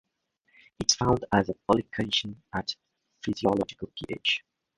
It is found as a polycation at physiological pH.